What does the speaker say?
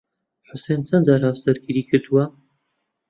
حوسێن چەند جار هاوسەرگیریی کردووە؟